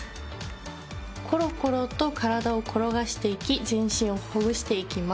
コロコロと体を転がしていき全身をほぐしていきます。